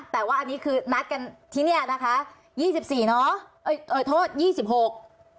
แต่ว่าอันนี้คือนัดกันที่เนี้ยนะคะยี่สิบสี่เนอะเอ้ยเอ่ยโทษยี่สิบหก